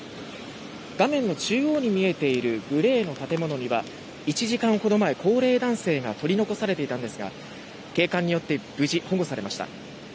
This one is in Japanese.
画面の中央に見えているグレーの建物には１時間ほど前、高齢男性が取り残されていたんですが警官によって無事、保護されました。